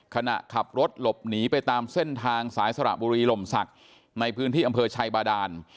ขณะขับรถหลบหนีไปตามเส้นทางสายสระบุรีหล่มศักดิ์ในพื้นที่อำเภอชัยบาดาน